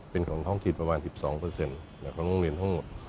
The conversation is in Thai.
เป็นของท้องถิ่นประมาณ๑๒ของโรงเรียนทั้งหมด